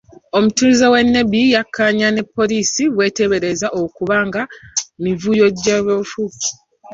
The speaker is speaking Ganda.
Omutuuze w'e Nebbi yakkaanya ne poliisi by'eteebereza okuba nga mivuyo gy'ebyobufuzi.